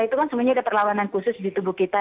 itu kan sebenarnya ada perlawanan khusus di tubuh kita